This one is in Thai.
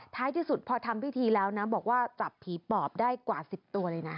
ท้ายที่สุดพอทำพิธีแล้วนะบอกว่าจับผีปอบได้กว่า๑๐ตัวเลยนะ